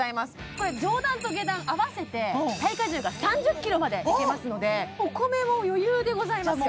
これ上段と下段合わせて耐荷重が３０ｋｇまでいけますのでお米も余裕でございますよ